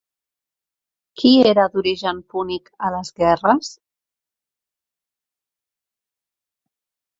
Qui era d'origen púnic a les guerres?